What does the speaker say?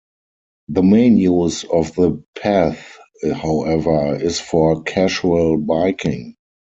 The main use of the path, however, is for casual biking.